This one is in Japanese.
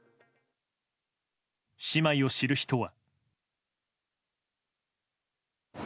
姉妹を知る人は。